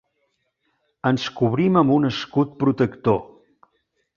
Ens cobrim amb un escut protector.